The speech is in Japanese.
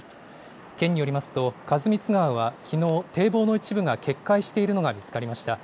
県によりますと、員光川はきのう、堤防の一部が決壊しているのが見つかりました。